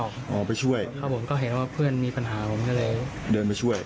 เขาก็เห็นเพื่อนมีปัญหามีอะไรก็เลยเดินไปช่วย